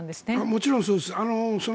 もちろんそうです。